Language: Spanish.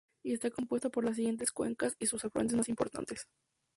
Y esta compuesta por las siguientes cuencas y sus afluentes más importantes.